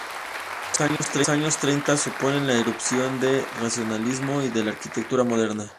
Los años treinta suponen la irrupción del racionalismo y de la arquitectura moderna.